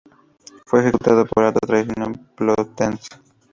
Fue ejecutado por alta traición en Plötzensee.